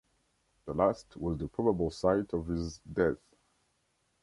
The last was the probable site of his death.